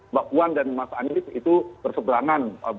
mbak puan dan mas anies itu berseberangan